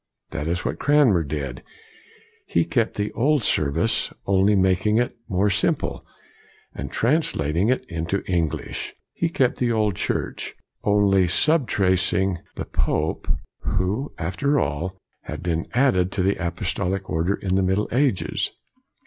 That is what Cranmer did. He kept the old service, only making it more simple and translating it into Eng lish. He kept the old Church, only sub COLIGNY 153 tracting the pope, who, after all, had been added to the apostolic order in the Middle Ages.